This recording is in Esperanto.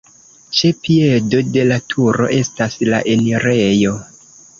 Ĉe piedo de la turo estas la enirejo.